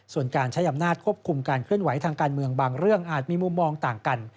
ส่วนการใช้อำนาจควบคุมการเคลื่อนไหวทางการเมืองบางเรื่องอาจมีมุมมองต่างกัน